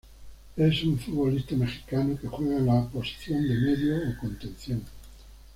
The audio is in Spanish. Es un futbolista mexicano que juega en la posición de medio o contención.